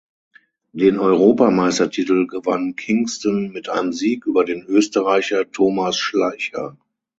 Den Europameistertitel gewann Kingston mit einem Sieg über den Österreicher Thomas Schleicher.